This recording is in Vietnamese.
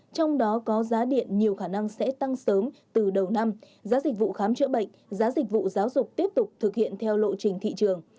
trong đó có giá điện nhiều khả năng sẽ tăng sớm từ đầu năm giá dịch vụ khám chữa bệnh giá dịch vụ giáo dục tiếp tục thực hiện theo lộ trình thị trường